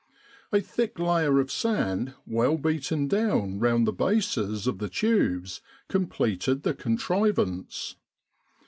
A thick layer of sand well beaten down round the bases of the tubes com pleted the contrivance.